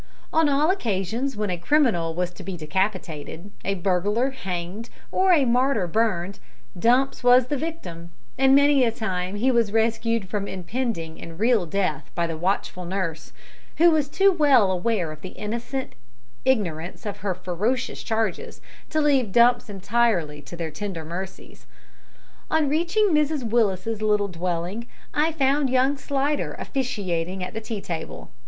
On all occasions when a criminal was to be decapitated, a burglar hanged, or a martyr burned, Dumps was the victim; and many a time was he rescued from impending and real death by the watchful nurse, who was too well aware of the innocent ignorance of her ferocious charges to leave Dumps entirely to their tender mercies. On reaching Mrs Willis's little dwelling, I found young Slidder officiating at the tea table.